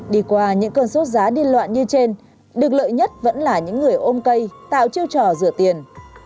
đi qua những cơn sốt giá điên loạn như trên được lợi nhất vẫn là những người ôm cây tạo chiêu trò rửa tiền